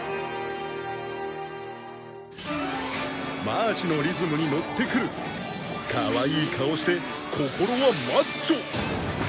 マーチのリズムにのってくるかわいい顔して心はマッチョ！